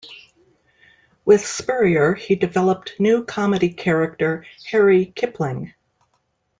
With Spurrier he developed new comedy character "Harry Kipling".